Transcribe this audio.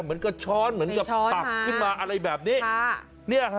มันก็ช้อนเหมือนกับตักขึ้นมาอะไรแบบนี้